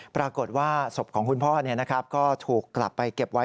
ปรากฏว่าศพของคุณพ่อก็ถูกกลับไปเก็บไว้